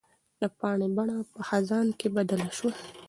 د پاڼې بڼه په خزان کې بدله شوې ده.